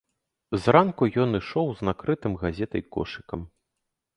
Зранку ён ішоў з накрытым газетай кошыкам.